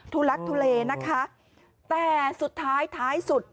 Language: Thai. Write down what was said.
ลักทุเลนะคะแต่สุดท้ายท้ายสุด